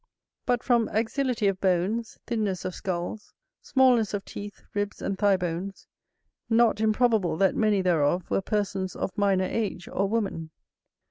But from exility of bones, thinness of skulls, smallness of teeth, ribs, and thigh bones, not improbable that many thereof were persons of minor age, or woman.